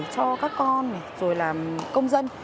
cho các con rồi là công dân